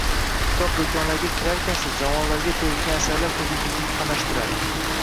Kitob do‘konlariga kirarkansiz javonlarga terilgan asarlar ko‘zingizni qamashtiradi.